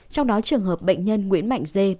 trong đó trường hợp bệnh nhân nguyễn mạnh d